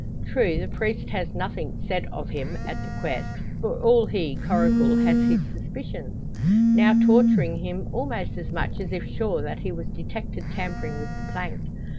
True, the priest has nothing said of him at the 'quest; for all he, Coracle, has his suspicions; now torturing him almost as much as if sure that he was detected tampering with the plank.